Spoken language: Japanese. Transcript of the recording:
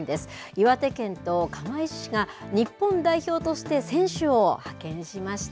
岩手県と釜石市が日本代表として選手を派遣しました。